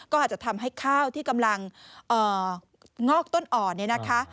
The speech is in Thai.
ก็อาจจะทำให้ข้าวที่กำลังงอกต้นอ่อนเนี่ยนะคะ